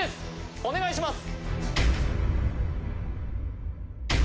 お願いします